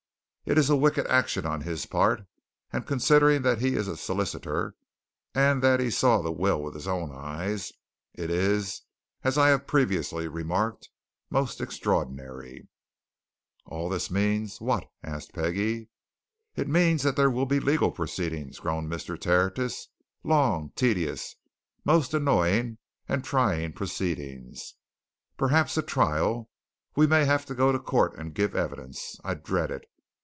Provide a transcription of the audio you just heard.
It is a wicked action on his part and, considering that he is a solicitor, and that he saw the will with his own eyes, it is, as I have previously remarked, most extraordinary!" "And all this means what?" asked Peggie. "It means that there will be legal proceedings," groaned Mr. Tertius. "Long, tedious, most annoying and trying proceedings! Perhaps a trial we may have to go to court and give evidence. I dread it!